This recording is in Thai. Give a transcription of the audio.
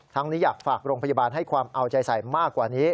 นี้อยากฝากโรงพยาบาลให้ความเอาใจใส่มากกว่านี้